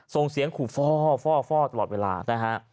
ทรงเสียงฝ่อตลอดเวลานะฮะ